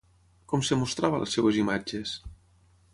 Com es mostrava a les seves imatges?